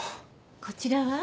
こちらは？